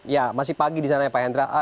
ya masih pagi di sana ya pak hendra